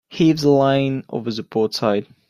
Heave the line over the port side.